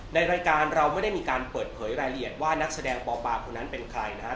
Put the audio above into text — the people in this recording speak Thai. ในรายการเราไม่ได้มีการเปิดเผยรายละเอียดว่านักแสดงปปคนนั้นเป็นใครนะครับ